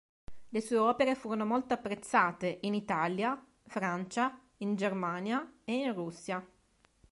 Le sue opere furono molto apprezzate in Italia, Francia, in Germania e in Russia.